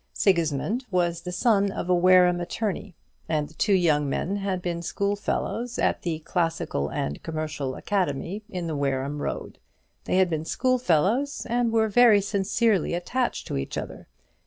Sigismund was the son of a Wareham attorney, and the two young men had been schoolfellows at the Classical and Commercial Academy in the Wareham Road. They had been schoolfellows, and were very sincerely attached to each other.